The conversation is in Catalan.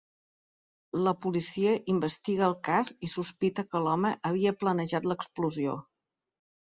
La policia investiga el cas i sospita que l’home havia planejat l’explosió.